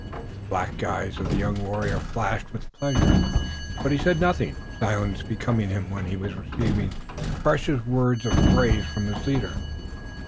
The black eyes of the young warrior flashed with pleasure, but he said nothing, silence becoming him when he was receiving precious words of praise from his leader.